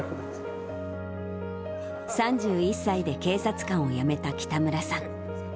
３１歳で警察官を辞めた北村さん。